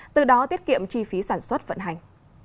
từ đó tiết kiệm chi phí sản xuất vận hành